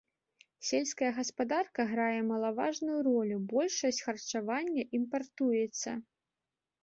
Сельская гаспадарка грае малаважную ролю, большасць харчавання імпартуецца.